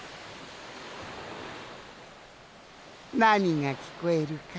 なにがきこえるかな？